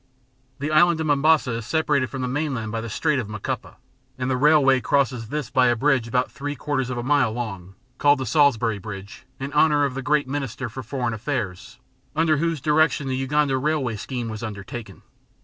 The island of Mombasa is separated from the mainland by the Strait of Macupa, and the railway crosses this by a bridge about three quarters of a mile long, called the Salisbury Bridge, in honour of the great Minister for Foreign Affairs under whose direction the Uganda Railway scheme was undertaken.